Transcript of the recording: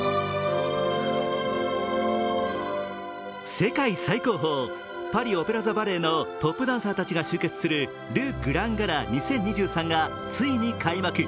世界最高峰、パリ・オペラ座バレエのトップダンサーたちが集結する「ル・グラン・ガラ２０２３」がついに開幕。